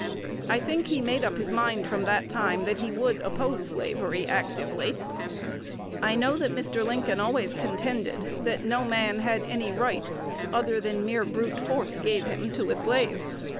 I think he made up his mind from that time that he would oppose slavery actively_. I know that Mr. Lincoln always contended that no man had any right other than mere brute force gave him to a slave.